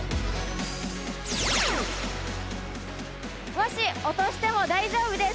もし落としても大丈夫です！